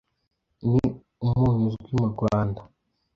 ni umunyu uzwi mu Rwanda